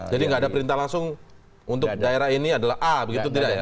jadi gak ada perintah langsung untuk daerah ini adalah a begitu tidak ya